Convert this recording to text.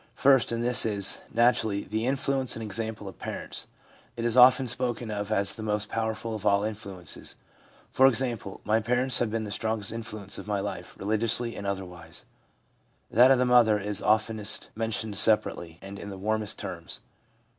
First in this is, naturally, the influence and ex ample of parents. It is often spoken of as the most powerful of all the influences. For example :' My parents have been the strongest influence of my life, religiously and otherwise/ That of the mother is oftenest mentioned separately, and in the warmest terms.